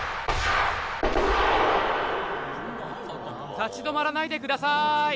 たちどまらないでください。